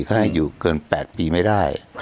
ให้อยู่เกิน๘ปีไม่ได้